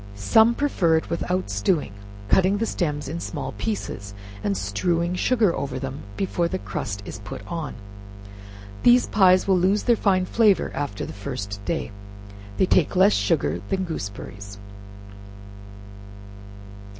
Some prefer it without stewing, cutting the stems in small pieces, and strewing sugar over them before the crust is put on. These pies will lose their fine flavor after the first day. They take less sugar than gooseberries.